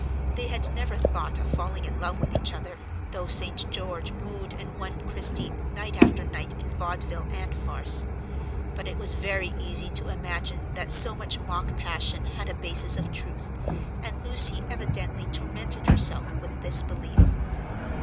They had never thought of falling in love with each other, though St. George wooed and won Christie night after night in vaudeville and farce. But it was very easy to imagine that so much mock passion had a basis of truth, and Lucy evidently tormented herself with this belief.